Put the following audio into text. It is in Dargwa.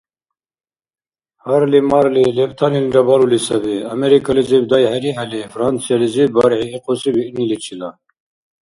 Гьарли-марли, лебтанилра балули саби, Америкализиб дай-хӀерихӀели, Франциялизиб бархӀи ихъуси биъниличила.